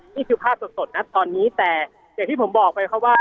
นี่คือภาพสดนะตอนนี้แต่อย่างที่ผมบอกไปครับว่า